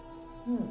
うん。